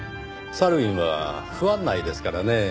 サルウィンは不案内ですからねぇ。